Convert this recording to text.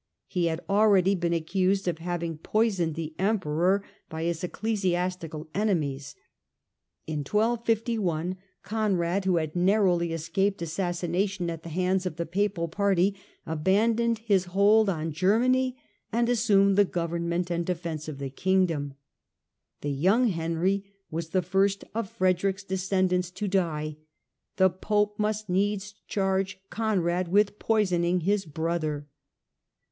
He had already been accused of having poisoned the Emperor by his THE FALL OF NIGHT 279 ecclesiastical enemies. In 1251 Conrad, who had narrowly escaped assassination at the hands of the Papal party, abandoned his hold on Germany and assumed the government and defence of the Kingdom. The young Henry was the first of Frederick's de scendants to die : the Pope must needs charge Conrad with poisoning his brother.